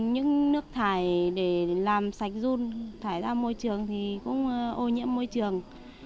những nước thải để làm sạch dùng đất thải ra môi trường thì cũng ô nhiễm môi trường